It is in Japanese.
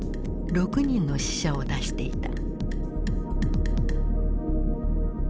６人の死者を出していた。